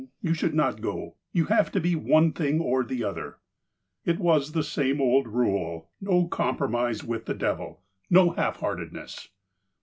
You should not go. You have to be one thing or the other." It was the same old rule — no compromise with the devil ; no half hearteduess.